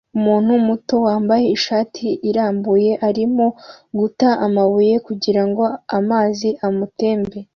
Umwana muto wambaye ishati irambuye arimo guta amabuye kugirango amazi amutembe